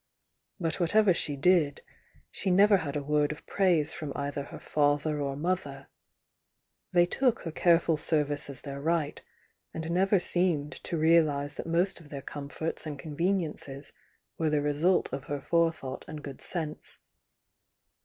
But whatever she did, sh'j never had a word of praise from either her father or mother, —they took her careful service as their right, and never seemed to realise that most of their comforts and conveniences were the result of her forethou^t and good sense.